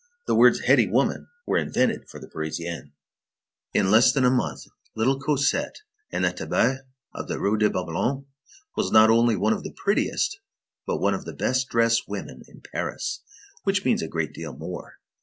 The words heady woman were invented for the Parisienne. In less than a month, little Cosette, in that Thebaid of the Rue de Babylone, was not only one of the prettiest, but one of the "best dressed" women in Paris, which means a great deal more.